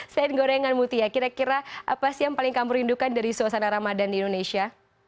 selain gorengan mutia kira kira apa sih yang paling kamu rindukan dari suasana ramadan di indonesia